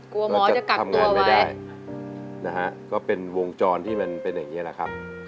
กลัวหมอจะกักตัวไว้นะฮะก็เป็นวงจรที่มันเป็นอย่างเงี้ยแหละครับ